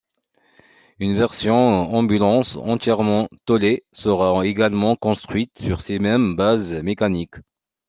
Une version ambulance, entièrement tôlée, sera également construite sur ces mêmes bases mécaniques.